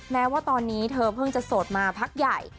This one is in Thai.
แม้ว่าตอนนี้เธอเพิ่งจะโสดมาพักใหญ่